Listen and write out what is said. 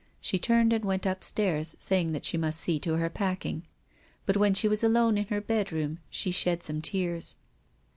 She turned and went upstairs, saying that she must see to her packing. But when she was alone in her bedroom she shed some tears.